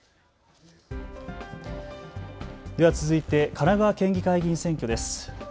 では続いて神奈川県議会議員選挙です。